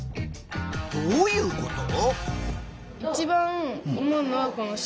どういうこと？